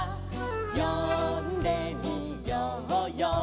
「よんでみようよ